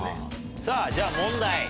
さあ、じゃあ問題。